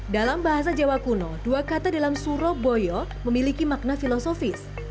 dalam bahasa jawa kuno dua kata dalam surabaya memiliki makna filosofis